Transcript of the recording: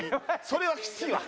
それはきついわ。